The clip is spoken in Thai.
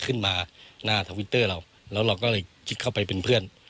ขึ้นมาหน้าทวิตเตอร์เราแล้วเราก็เลยคิดเข้าไปเป็นเพื่อน